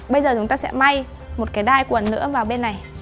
bây giờ chúng ta sẽ may một cái đai quần nữa vào bên này